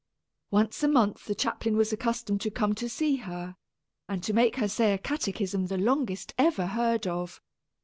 Once a month the chaplain was accustomed to come to see her, and to make her say a catechism the longest ever heard of.